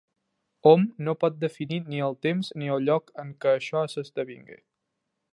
Hom no pot definir ni el temps ni el lloc en què això s'esdevingué.